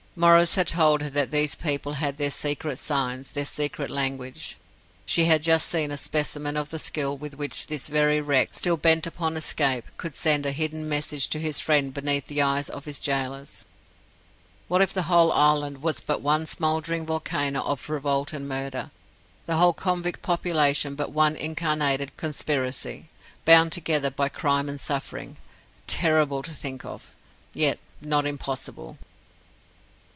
Maurice had told her that these people had their secret signs, their secret language. She had just seen a specimen of the skill with which this very Rex still bent upon escape could send a hidden message to his friends beneath the eyes of his gaolers. What if the whole island was but one smouldering volcano of revolt and murder the whole convict population but one incarnated conspiracy, bound together by crime and suffering! Terrible to think of yet not impossible.